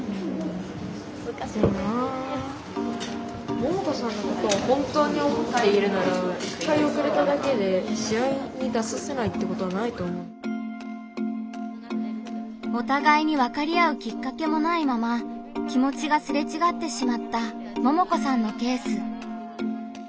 ももこさんのケースではお互いに分かり合うきっかけもないまま気持ちがすれちがってしまったももこさんのケース。